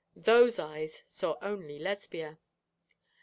Those eyes saw only Lesbia.